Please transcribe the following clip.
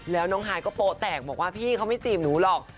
แล้วน้องฮายก็โป๊แตกบอกว่าพี่เขาไม่จีบหนูหรอก